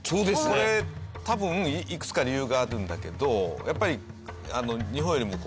これ多分いくつか理由があるんだけどやっぱり。